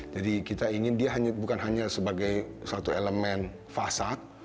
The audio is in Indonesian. jadi kita ingin dia bukan hanya sebagai suatu elemen fasad